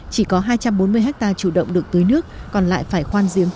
chỉ có hai trăm bốn mươi hectare chủ động được tưới nước còn lại phải khoan